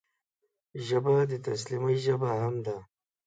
ژبه د تسلیمۍ ژبه هم ده